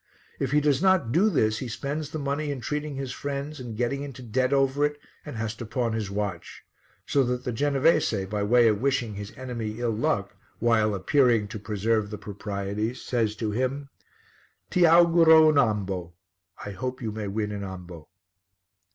If he does not do this he spends the money in treating his friends and getting into debt over it and has to pawn his watch. So that the Genovese, by way of wishing his enemy ill luck, while appearing to observe the proprieties, says to him "Ti auguro un' ambo." ("I hope you may win an ambo.")